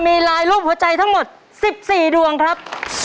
มีลายรูปหัวใจทั้งหมด๑๔ดวงครับ